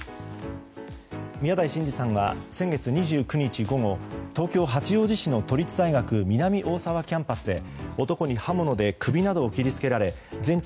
宮台真司さんは先月２９日午後東京・八王子市の都立大学南大沢キャンパスで男に刃物で首などを切りつけられ全治